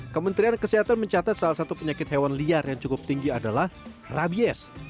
kementerian kesehatan mencatat salah satu penyakit hewan liar yang cukup tinggi adalah rabies